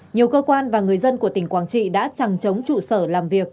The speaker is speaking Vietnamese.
nhiều cơ quan và người dân của tỉnh quảng trị đã chẳng chống trụ sở làm việc